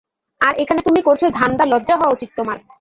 আর এখানে তুমি করছো ধান্দা লজ্জা হওয়া উচিত তোমার।